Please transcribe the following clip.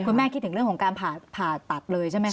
คุณแม่คิดถึงเรื่องของการผ่าตัดเลยใช่ไหมค